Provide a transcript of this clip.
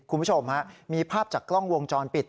คุณผู้ชมฮะมีภาพจากกล้องวงจรปิด